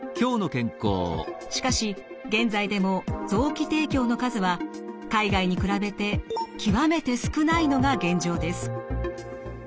しかし現在でも臓器提供の数は海外に比べて極めて少ないのが現状です。